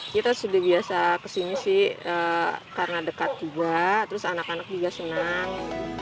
kita sudah biasa kesini sih karena dekat juga terus anak anak juga senang